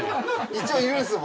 一応いるんすよ